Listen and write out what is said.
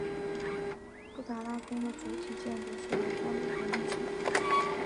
布达拉宫的主体建筑由三部分组成。